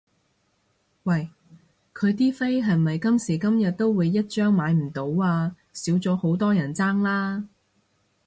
喂佢啲飛係咪今時今日都會一張買唔到啊？少咗好多人爭啦？